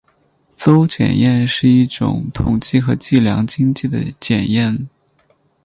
邹检验是一种统计和计量经济的检验。